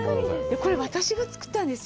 これ私が作ったんですよ。